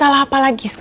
untuk atau tidak